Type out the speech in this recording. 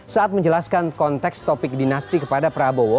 saat menjelaskan konteks topik dinasti kepada prabowo